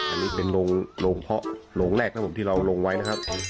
อันนี้เป็นโรงเพาะโรงแรกครับผมที่เราลงไว้นะครับ